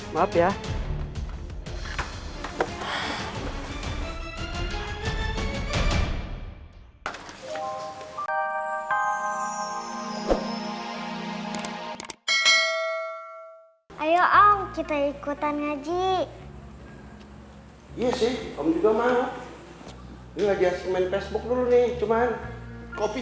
hai ayo kita ikutan ngaji iya sih om juga mau ngajak semen facebook dulu nih cuman kopi